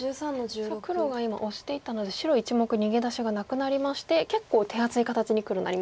黒が今オシていったので白１目逃げ出しがなくなりまして結構手厚い形に黒なりましたね。